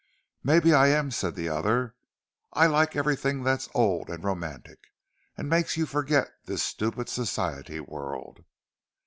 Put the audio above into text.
"Maybe I am," said the other. "I like everything that's old and romantic, and makes you forget this stupid society world."